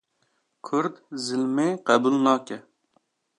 Kurd zilmê qebûl nake